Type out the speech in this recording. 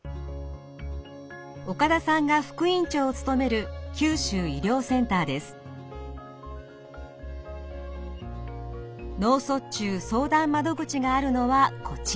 岡田さんが副院長を務める脳卒中相談窓口があるのはこちら。